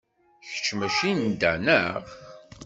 Kečč mačči n da, naɣ?